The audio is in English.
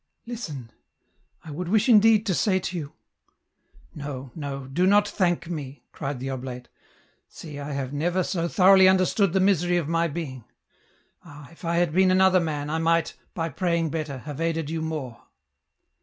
" Listen ! T would wish indeed to say to you ...."" No, no, do not thank me," cried the oblate. " See, I have never so thoroughly understood the misery of my being. Ah ! if I had been another man, I might, by praying better, have aided you more."